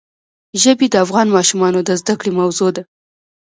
ژبې د افغان ماشومانو د زده کړې موضوع ده.